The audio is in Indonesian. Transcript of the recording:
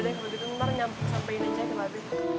kalau gitu ntar nyampein aja ke wp